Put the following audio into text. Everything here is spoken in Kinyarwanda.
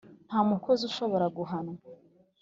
Nta mukozi ushobora guhanwa